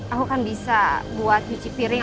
aku kan bisa buat nyuci piring